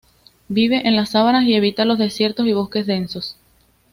Vive en las sabanas y evita los desiertos y bosques densos.